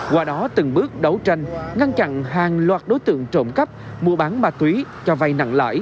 qua đó từng bước đấu tranh ngăn chặn hàng loạt đối tượng trộm cắp mua bán ma túy cho vay nặng lãi